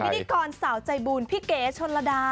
พิธีกรสาวใจบุญพี่เก๋ชนระดา